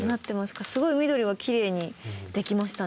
すごい緑はきれいにできましたね。